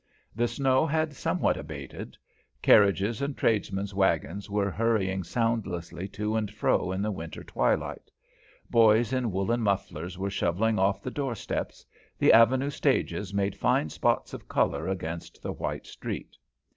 The snow had somewhat abated; carriages and tradesmen's wagons were hurrying soundlessly to and fro in the winter twilight; boys in woollen mufflers were shovelling off the doorsteps; the avenue stages made fine spots of colour against the white street.